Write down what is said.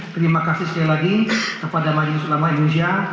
terima kasih sekali lagi kepada majelis ulama indonesia